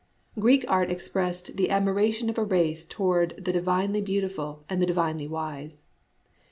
Greek art expressed the aspiration of a race toward the divinely beautiful and the divinely wise.